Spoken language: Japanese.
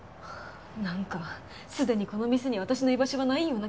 なんかすでにこの店に私の居場所がないような気が。